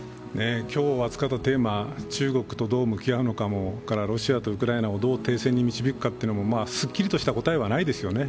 今日扱ったテーマ中国とどう向き合うかロシアとウクライナをどう停戦に導くかもすっきりとした答えはないですよね。